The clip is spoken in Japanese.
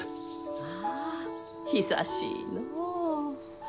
ああ久しいのう。